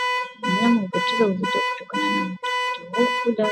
Mnyama hupoteza uzito kutokana na kutokula ipasavyo au kupunguza kula